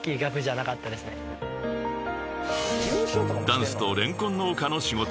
［ダンスとレンコン農家の仕事。